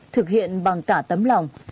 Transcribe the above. thực hiện bằng cả tấm lòng